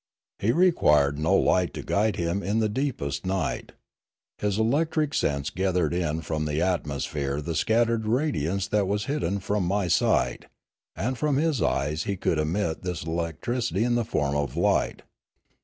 He required no light to guide him in the deepest night. His electric sense gathered in from the atmosphere the scattered radiance that was hidden from my sight; and from his eyes he could emit this electricity in the form of light.